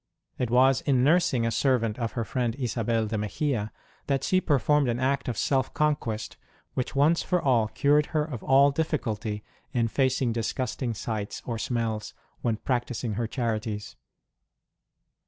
It was in nursing a servant of her friend Isabel de Mexia that she performed an act of self conquest which once for all cured her of all difficulty in facing disgusting sights or smells when practising her charities.